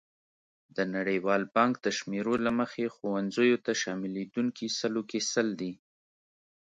د نړیوال بانک د شمېرو له مخې ښوونځیو ته شاملېدونکي سلو کې سل دي.